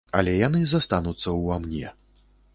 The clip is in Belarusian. Але яны застануцца ўва мне.